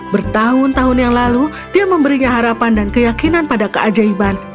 bertahun tahun yang lalu dia memberinya harapan dan keyakinan pada keajaiban